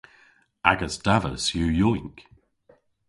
Agas davas yw yowynk.